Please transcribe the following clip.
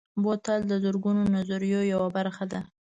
بوتل د زرغونو نظریو یوه برخه ده.